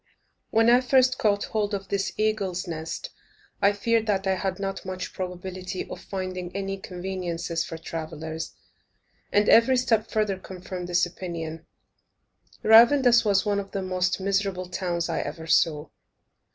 When I first caught hold of this eagle's nest, I feared that I had not much probability of finding any conveniences for travellers, and every step further confirmed this opinion. Ravandus was one of the most miserable towns I ever saw.